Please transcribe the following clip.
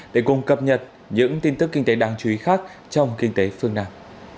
để cùng cập nhật những tin tức kinh tế đáng chú ý khác trong kinh tế phương nam